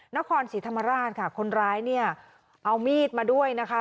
นครศรีธรรมราชค่ะคนร้ายเนี่ยเอามีดมาด้วยนะคะ